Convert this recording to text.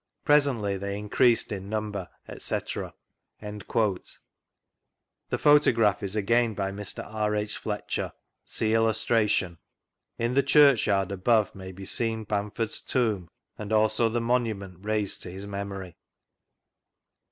Presently they increased in number, etc" The photograph is again by Mr. R. H. Fletcher. (Sec Illustration.) In the Chuichyard above may be seen Bamford's tomb and also the monument raised to his memory.